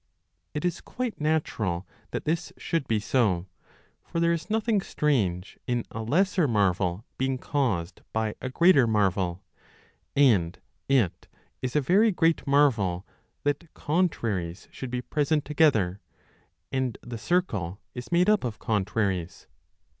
It is quite natural that this should be so ; for there is nothing strange in a lesser marvel being caused by a greater 847* MECHANICA marvel, and it is a very great marvel that contraries should be present together, and the circle is made up of contraries.